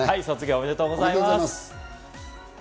おめでとうございます。